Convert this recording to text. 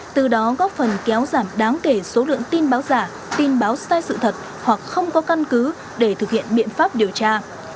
từ đó góp phần kéo giảm đáng kể số lượng tin báo giả tin báo sai sự thật hoặc không có căn cứ để thực hiện biện pháp điều tra